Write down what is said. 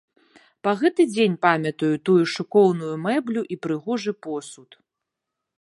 Па гэты дзень памятаю тую шыкоўную мэблю і прыгожы посуд.